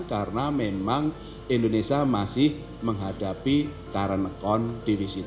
karena memang indonesia masih menghadapi current account deficit